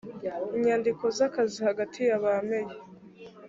inyandiko z akazi hagati ya ba meya